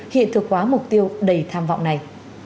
khiến thực hóa mục tiêu đầy tham vọng này